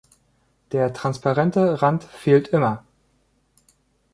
Der transparente Rand fehlt immer.